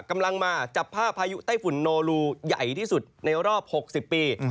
กำลังมาจับภาพพายุไต้ฝุ่นโนรูใหญ่ที่สุดในรอบ๖๐ปี